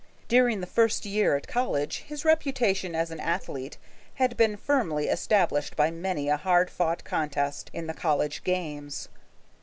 During the first year at college his reputation as an athlete had been firmly established by many a hard fought contest in the college games.